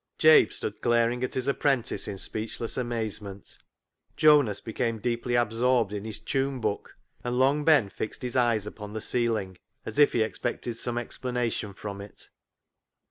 Jabe stood glar ing at his apprentice in speechless amazement. Jonas became deeply absorbed in his tune book, and Long Ben fixed his eyes upon the ceiling as if he expected some explanation from it.